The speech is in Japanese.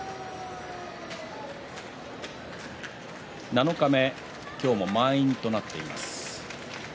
七日目、今日も満員となっています。